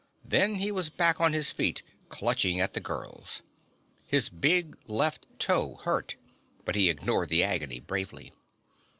Then he was back on his feet, clutching at the girls. His big left toe hurt, but he ignored the agony bravely.